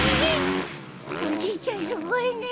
おじいちゃんすごいね。